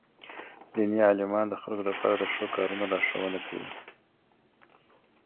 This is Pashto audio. ديني عالمان د خلکو لپاره د ښو کارونو لارښوونه کوي.